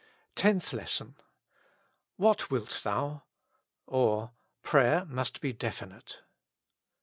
77 TENTH LESSON. *« What wilt thou ?" or, Prayer must be Definite.